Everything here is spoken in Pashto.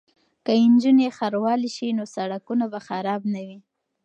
که نجونې ښاروالې شي نو سړکونه به خراب نه وي.